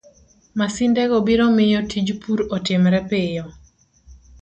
Masindego biro miyo tij pur otimre piyo,